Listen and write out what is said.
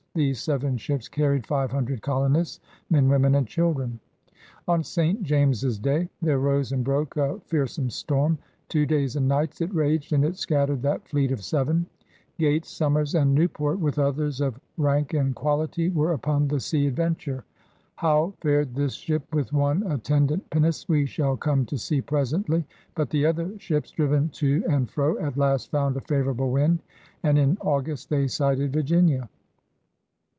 These seven ships carried five hundred colonists, men, women, and children. On St. Jameses day there rose and broke a fear some storm. Two days and nights it raged, and it scattered that fleet of seven. Gates, Som^rs, and Newport with others of '^rancke and quaKty were upon the Sea Adveniure. How fared this ship with one attendant pinnace we shall come to see presently. But the other ships, driven to and fro, at last found a favorable wind, and in August they sighted Virginia.